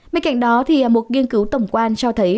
bên cạnh đó một nghiên cứu tổng quan cho thấy